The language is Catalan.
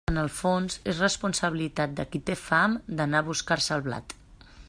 En el fons, és responsabilitat de qui té fam d'anar a buscar-se el blat.